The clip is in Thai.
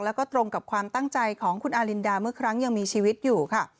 แล้วก็ตรงกับความตั้งใจของคุณอารินดาเมื่อครั้งยังมีชีวิตอยู่ค่ะ